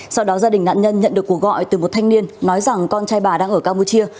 sau đó gia đình nạn nhân nhận được cuộc gọi từ một thanh niên nói rằng con trai bà đang ở campuchia